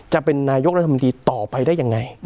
จะเป็นนายกรัฐมนตรีต่อไปได้ยังไง